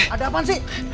ada apaan sih